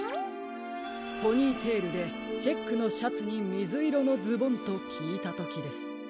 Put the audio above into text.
ポニーテールでチェックのシャツにみずいろのズボンときいたときです。